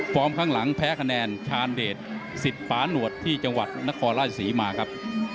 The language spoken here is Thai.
พร้อมครั้งหลังแพ้คะแนนชานเดตสิทธิ์ฟ้าหนวดที่จังหวัดนครรสีมาครับ